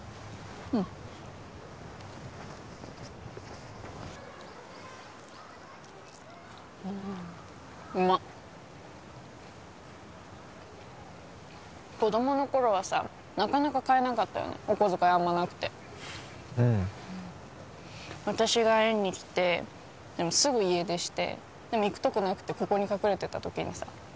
うんうまっ子供の頃はさなかなか買えなかったよねお小遣いあんまなくてうん私が園に来てでもすぐ家出してでも行くとこなくてここに隠れてたときにさ